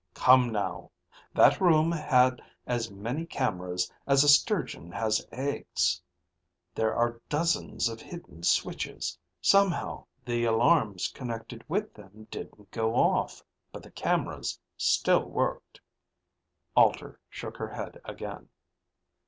"Come now. That room had as many cameras as a sturgeon has eggs. There are dozens of hidden switches. Somehow the alarms connected with them didn't go off, but the cameras still worked." Alter shook her head again.